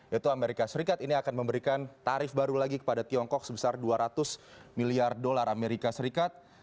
yaitu amerika serikat ini akan memberikan tarif baru lagi kepada tiongkok sebesar dua ratus miliar dolar amerika serikat